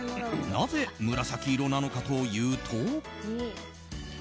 なぜ、紫色なのかというと。